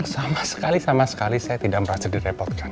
sama sekali sama sekali saya tidak merasa direpotkan